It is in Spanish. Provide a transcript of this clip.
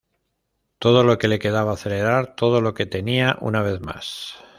Todo lo que le quedaba acelerar todo lo que tenía, una vez más.